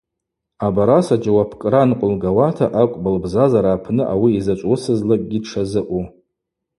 Абараса джьауапкӏра нкъвылгауата акӏвпӏ лбзазара апны ауи йзачӏв уысызлакӏгьи дшазыъу.